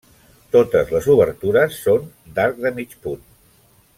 Totes les obertures són d'arc de mig punt.